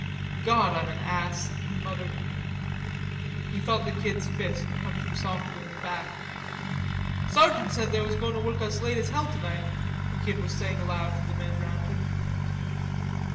"God, I'm an ass," he muttered. He felt the Kid's fist punch him softly in the back. "Sergeant said they was goin' to work us late as hell tonight," the Kid was saying aloud to the men round him.